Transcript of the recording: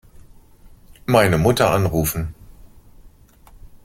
Meine Mutter anrufen.